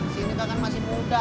si ineke kan masih muda